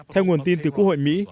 theo nguồn tin từ quốc hội mỹ